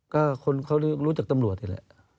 ก็คนเขารู้จักตำรวจนี่แหละ